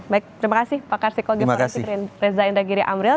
baik terima kasih pakar psikologi pak arief rizain ragiri amril